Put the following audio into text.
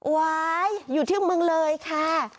ว้ายอยู่ที่เมืองเลยค่ะ